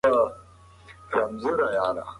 آیا د کورنۍ ګډون په زده کړه کې ګټور دی؟